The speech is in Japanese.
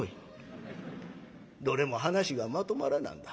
どれも話がまとまらなんだ。